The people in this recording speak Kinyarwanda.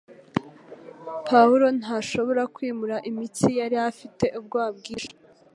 Pawulo ntashobora kwimura imitsi yari afite ubwoba bwinshi